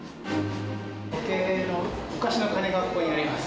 時計の、昔の鐘がここにあります。